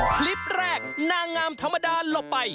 คลิปแรกนางงามธรรมดาหลบไป